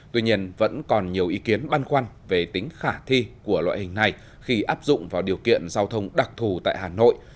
tuy nhiên vẫn còn nhiều ý kiến băn khoăn về tính khả thi của loại hình này khi áp dụng vào điều kiện giao thông đặc thù tại hà nội